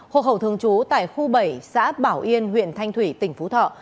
hộ khẩu thường trú tại khu bảy xã bảo yên huyện thanh thủy tỉnh phú thọ